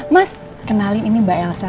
mas kenali ini mbak elsa